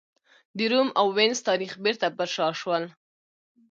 د روم او وینز تاریخ بېرته پر شا شول.